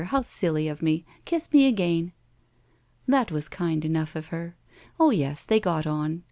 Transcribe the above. How silly of me! Kiss i^e again." That was kind enough of her. Oh yes, they got on.